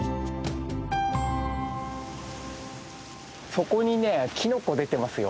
そこにねキノコ出てますよ。